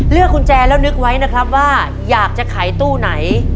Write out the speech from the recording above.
กุญแจแล้วนึกไว้นะครับว่าอยากจะขายตู้ไหน